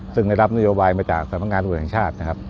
ซึ่งได้รับโยบายมาจากสรรพงานศูนย์แห่งชาติ